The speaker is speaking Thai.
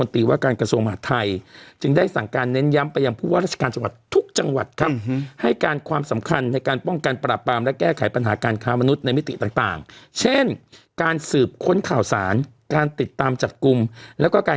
ถ้าสมมติคุณเห็น